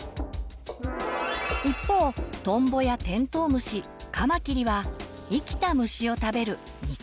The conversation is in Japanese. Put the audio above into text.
一方トンボやテントウムシカマキリは生きた虫を食べる「肉食系」。